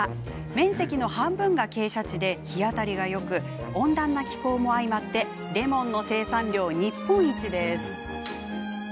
面積の半分が傾斜地で日当たりがよく温暖な気候も相まってレモンの生産量、日本一です。